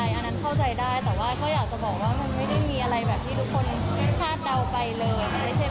อันนั้นเข้าใจได้แต่ว่าก็อยากจะบอกว่ามันไม่ได้มีอะไรแบบที่ทุกคนคาดเดาไปเลยใช่ไหม